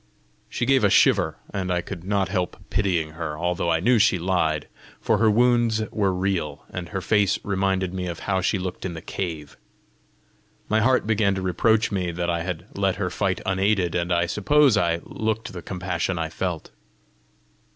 She gave a shiver, and I could not help pitying her, although I knew she lied, for her wounds were real, and her face reminded me of how she looked in the cave. My heart began to reproach me that I had let her fight unaided, and I suppose I looked the compassion I felt.